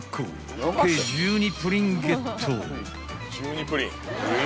［計１２プリンゲット］